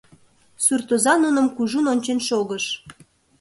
Суртоза нуным кужун ончен шогыш.